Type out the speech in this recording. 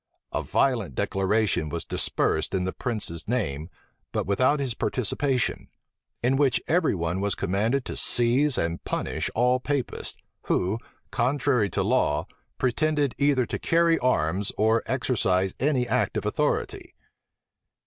A violent declaration was dispersed in the prince's name, but without his participation; in which every one was commanded to seize and punish all Papists, who, contrary to law, pretended either to carry arms or exercise any act of authority.